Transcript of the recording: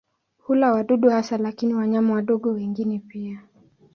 Hula wadudu hasa lakini wanyama wadogo wengine pia.